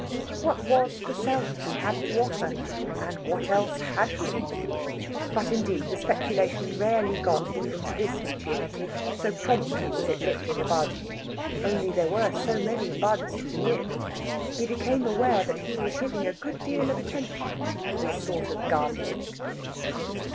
What was the Self he had to offer, and what else had he? But, indeed, the speculation rarely got even to this maturity, so promptly was it nipped in the bud. Only, there were so many buds to nip. He became aware that he was giving a good deal of attention to this sort of gardening.